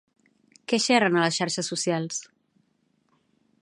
Què xerren a les xarxes socials?